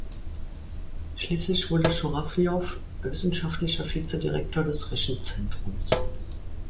Schließlich wurde Schurawljow wissenschaftlicher Vizedirektor des Rechenzentrums.